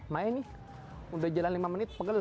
main nih udah jalan lima menit pegel